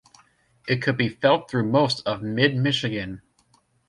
It could be felt through most of Mid-Michigan.